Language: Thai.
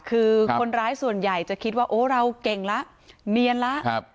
คือคนร้ายส่วนใหญ่จะคิดว่าโอ้เราเก่งแล้วเนียนแล้ว